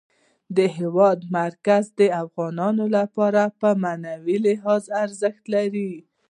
د هېواد مرکز د افغانانو لپاره په معنوي لحاظ ارزښت لري.